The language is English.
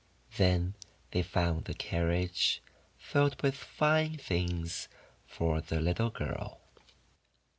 Then they found the carriage filled with fine things for the little girl.